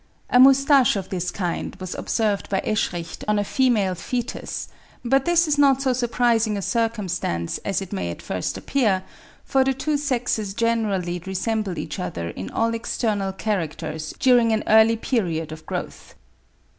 A moustache of this kind was observed by Eschricht (40. Eschricht, ibid. s. 40, 47.) on a female foetus; but this is not so surprising a circumstance as it may at first appear, for the two sexes generally resemble each other in all external characters during an early period of growth.